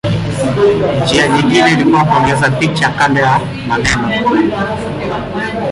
Njia nyingine ilikuwa kuongeza picha kando la maneno.